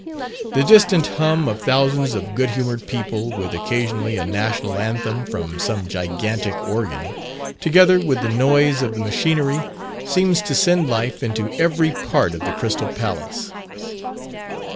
The distant hum of thousands of good humoured people, with occasionally a national anthem from some gigantic organ, together with the noise of the machinery, seems to send life into every part of the Crystal Palace.